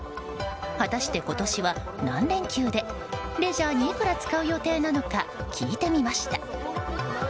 果たして今年は何連休でレジャーにいくら使う予定なのか聞いてみました。